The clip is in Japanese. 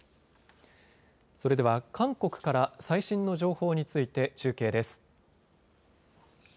それでは韓国から最新の情報について中継です。